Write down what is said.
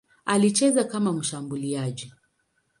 Alicheza kama mshambuliaji.